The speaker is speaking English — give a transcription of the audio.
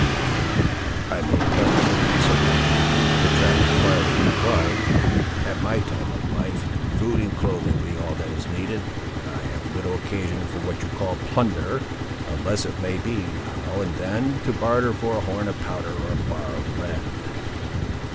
"I make but little use of either," the trapper quietly replied. "At my time of life, food and clothing be all that is needed; and I have little occasion for what you call plunder, unless it may be, now and then, to barter for a horn of powder, or a bar of lead."